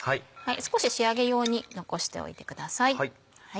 少し仕上げ用に残しておいてください。